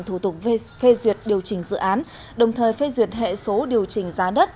thủ tục phê duyệt điều chỉnh dự án đồng thời phê duyệt hệ số điều chỉnh giá đất